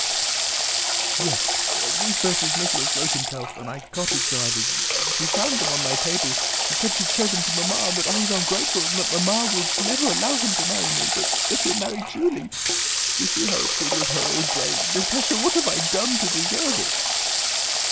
"Yes, these verses Nicholas wrote himself and I copied some others, and she found them on my table and said she'd show them to Mamma, and that I was ungrateful, and that Mamma would never allow him to marry me, but that he'll marry Julie. You see how he's been with her all day... Natásha, what have I done to deserve it?..."